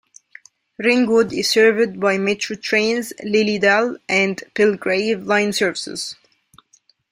Ringwood is serviced by Metro Trains' Lilydale and Belgrave line services.